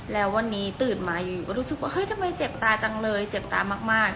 แล้ววันนี้ตื่นมาอยู่ก็รู้สึกว่าเฮ้ยทำไมเจ็บตาจังเลยเจ็บตามาก